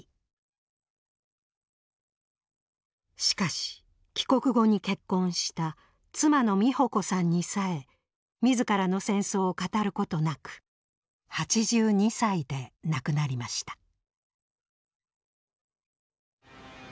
しかし帰国後に結婚した妻の美保子さんにさえ自らの戦争を語ることなく８２歳で亡くなりました。